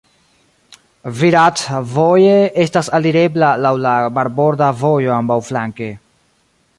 Virac voje estas alirebla laŭ la marborda vojo ambaŭflanke.